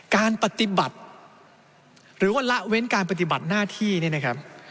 การปฏิบัติหรือว่าละเว้นการปฏิบัติหน้าที่นี่นะครับ